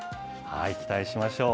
期待しましょう。